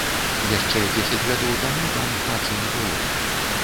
Яшчэ дзесяць гадоў таму там працы не было!